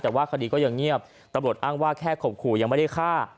แต่ว่าคดีก็ยังเงียบตำรวจอ้างว่าแค่ข่มขู่ยังไม่ได้ฆ่า